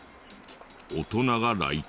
大人が来店。